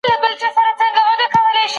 خپل کور ته نوي بوټي راوړئ.